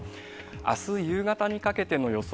あす夕方にかけての予想